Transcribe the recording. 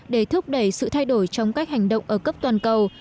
để thúc đẩy sự thay đổi trong cách hành động ở cấp toàn cầu